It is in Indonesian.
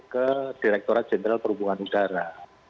ke direkturat jenderal perhubungan udara